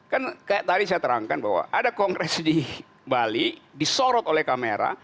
kan kayak tadi saya terangkan bahwa ada kongres di bali disorot oleh kamera